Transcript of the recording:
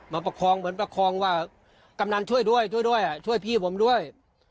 ประคองเหมือนประคองว่ากำนันช่วยด้วยช่วยด้วยช่วยพี่ผมด้วย